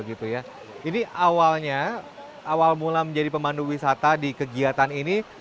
ini awalnya awal mula menjadi pemandu wisata di kegiatan ini